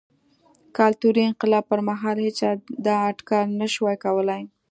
کلتوري انقلاب پر مهال هېچا دا اټکل نه شوای کولای.